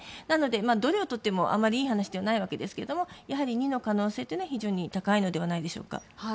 なので、どれをとってもあまりいい話ではないですけどやはり２の可能性は非常に高いのではないでしょうか。